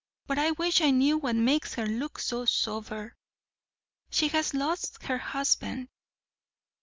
But I wish I knew what makes her look so sober!" "She has lost her husband."